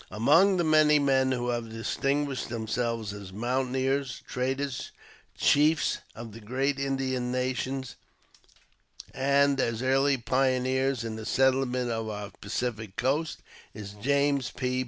Among the many men who have distinguished themselves as mountaineers, traders, chiefs of the great Indian nations, and as early pioneers in the settlement of our Pacific coast, is James P.